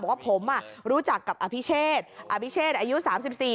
บอกว่าผมอ่ะรู้จักกับอภิเชษฐ์อภิเชษฐ์อายุสามสิบสี่